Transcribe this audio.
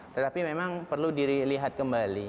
tetapi memang perlu dilihat kembali